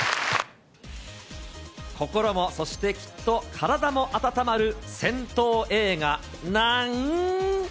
心も、そしてきっと体も温まる銭湯映画なん。